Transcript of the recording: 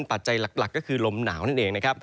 ปัจจัยหลักก็คือลมหนาวนั่นเอง